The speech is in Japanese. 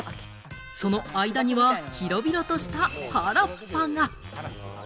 その間には広々としたハラッパが。